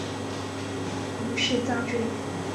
无饰蚤缀